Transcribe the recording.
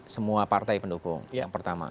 semua partai pendukung yang pertama